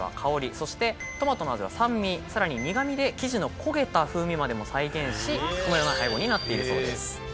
そしてトマトの味は「酸味」さらに「苦味」で生地の焦げた風味までも再現しこのような配合になっているそうです。